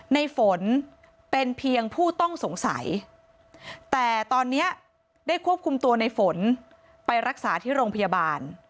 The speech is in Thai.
ในฝนเป็นเพียงผู้ต้องสงสัยแต่ตอนนี้ได้ควบคุมตัวในฝนไปรักษาที่โรงพยาบาล